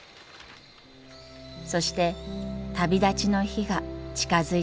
そして旅立ちの日が近づいてきました。